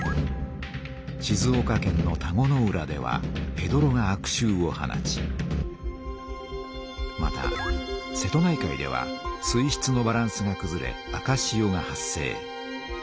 静岡県の田子の浦ではへどろが悪しゅうを放ちまた瀬戸内海では水しつのバランスがくずれ赤しおが発生。